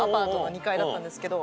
だったんですけど。